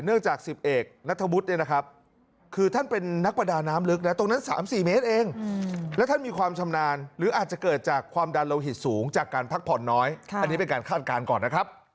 เนื่องจากสิบเอกณฑวุฒินะครับ